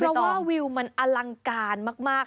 เพราะว่าวิวมันอลังการมาก